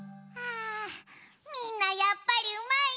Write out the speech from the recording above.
あみんなやっぱりうまいなぁ！